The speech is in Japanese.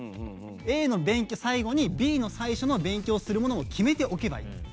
Ａの最後にＢの最後のもの勉強するものを決めておけばいい。